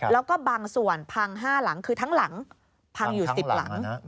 แล้วก็บางส่วนพัง๕หลังคือทั้งหลังพังอยู่๑๐หลัง